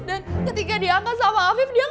dan ketika diangkat sama afif dia ngomong